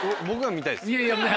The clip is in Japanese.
僕は見たいですけど。